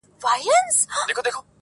نیکه د ژمي په اوږدو شپو کي کیسې کولې!